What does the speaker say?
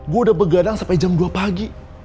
gue udah begadang sampai jam dua pagi